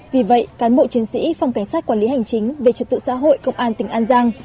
vì vậy cán bộ chiến sĩ phòng cảnh sát quản lý hành chính về trật tự xã hội công an tỉnh an giang